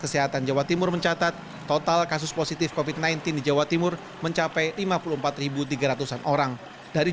kesehatan jawa timur mencatat total kasus positif covid sembilan belas di jawa timur mencapai lima puluh empat tiga ratus an orang dari